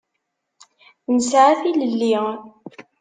Nesɛa tilelli.